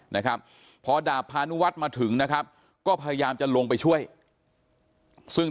นะครับพอดาบพานุวัฒน์มาถึงนะครับก็พยายามจะลงไปช่วยซึ่ง